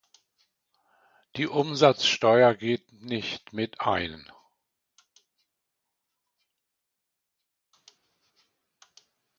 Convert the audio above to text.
Die Umsatzsteuer geht nicht mit ein.